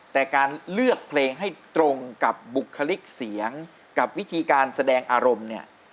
แต่การเลือกเพลงให้ตรงกับบุคลิกเสียงกับวิธีการแสดงอารมณ์เนี่ย